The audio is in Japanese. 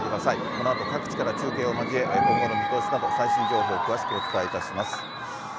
このあと各地から中継を交え、今後の見通しなど、最新情報を詳しくお伝えいたします。